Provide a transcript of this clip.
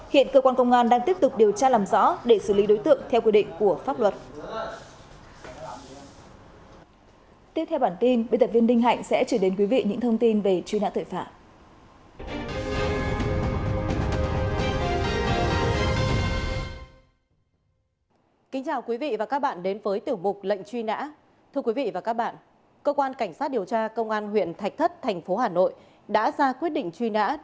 hiện cơ quan công an đang tiếp tục điều tra làm rõ để xử lý đối tượng theo quy định của pháp luật